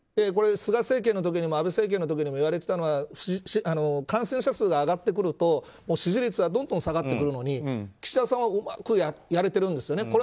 菅政権の時にも安倍政権の時にもいわれてたのは感染者数が上がってくると支持率はどんどん下がってくるのに岸田さんはうまくやれてるんですよね。